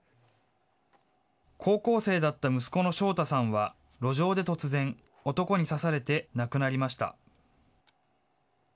高校生だった息子の将太さんは、路上で突然、男に刺されて亡くなりました。